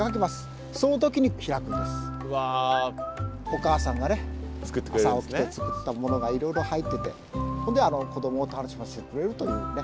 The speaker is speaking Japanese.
お母さんが朝起きて作ったものがいろいろ入ってて子どもを楽しませてくれるという遊山箱です。